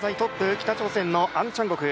北朝鮮のアンチャンゴク。